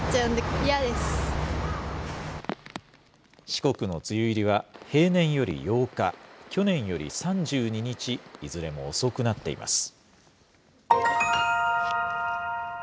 四国の梅雨入りは、平年より８日、去年より３２日、いずれも遅くなっています。